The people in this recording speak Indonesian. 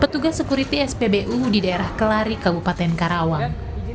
petugas sekuriti spbu di daerah kelari kabupaten karawang